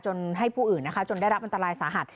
ให้ผู้อื่นนะคะจนได้รับอันตรายสาหัส